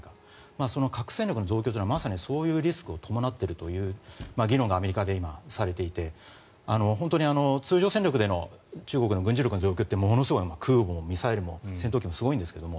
その核戦力の増強というのはまさに、そういうリスクを伴っているという議論がアメリカでされていて本当に通常戦力での中国の軍事力の増強って空母、ミサイルもすごいんですけど